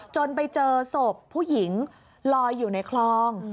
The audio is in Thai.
จนไปเจอศพผู้หญิงลอยอยู่ในคลอง